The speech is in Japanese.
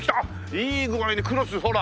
いい具合にクロスほら。